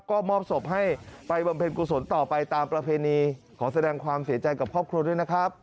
ก็มอบศพให้ไปบำเพ็ญกุศลต่อไปตามประเพณีขอแสดงความเสียใจกับครอบครัวด้วยนะครับ